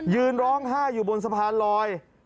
ยืนร้องไห้อยู่บนสะพานลอย